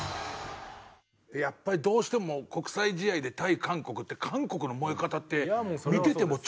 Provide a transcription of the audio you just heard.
やっぱりどうしても国際試合で対韓国って韓国の燃え方って見ててもちょっと尋常じゃないですよね。